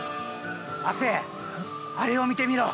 亜生あれを見てみろ！